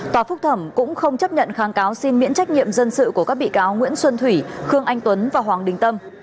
tòa phúc thẩm cũng không chấp nhận kháng cáo xin miễn trách nhiệm dân sự của các bị cáo nguyễn xuân thủy khương anh tuấn và hoàng đình tâm